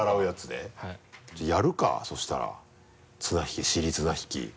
じゃあやるかそしたら尻綱引き。